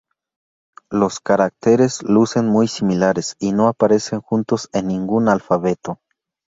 Los caracteres lucen muy similares y no aparecen juntos en ningún alfabeto.